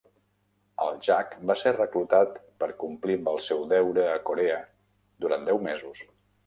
El Jack va ser reclutat per complir amb el seu deure a Corea durant deu mesos.